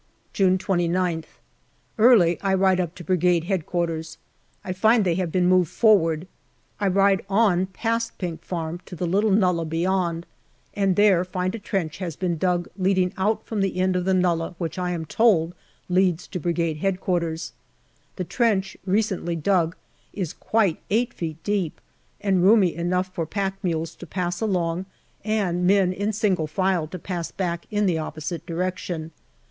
June 29th. Early I ride up to Brigade H.Q. I find they have moved forward. I ride on past Pink Farm, to the little nullah beyond, and there find a trench has been JUNE 149 dug leading out from the end of the nullah which I am told leads to Brigade H.Q. The trench, recently dug, is quite 8 feet deep, and roomy enough for pack mules to pass along and men in single file to pass back in the opposite direction.